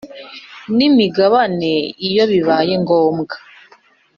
N imigabane iyo bibaye ngombwa